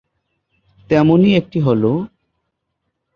তেমনি একটি হলোঃ-